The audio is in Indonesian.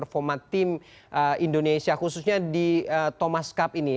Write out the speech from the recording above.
kita ingin lihat performa tim indonesia khususnya di thomas cup ini